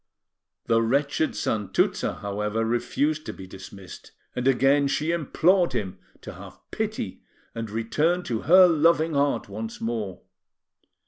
The wretched Santuzza, however, refused to be dismissed; and again she implored him to have pity and return to her loving heart once more.